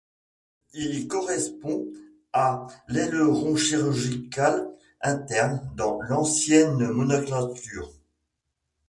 Il correspond à l'aileron chirurgical interne dans l'ancienne nomenclature.